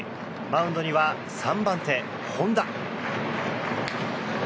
マウンドには３番手、本田。